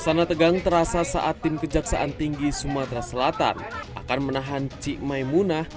suasana tegang terasa saat tim kejaksaan tinggi sumatera selatan akan menahan cik maimunah